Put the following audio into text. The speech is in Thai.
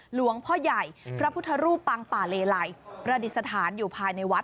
หลวงพ่อใหญ่พระพุทธรูปปังป่าเลไลประดิษฐานอยู่ภายในวัด